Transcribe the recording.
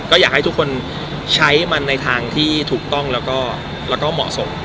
ก็อยากให้ทุกคนใช้มันในทางที่ถูกต้องแล้วก็เหมาะสม